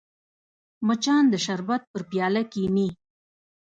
مچان د شربت پر پیاله کښېني